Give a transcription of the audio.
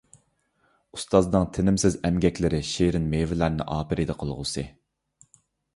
ئۇستازنىڭ تىنىمسىز ئەمگەكلىرى شېرىن مېۋىلەرنى ئاپىرىدە قىلغۇسى!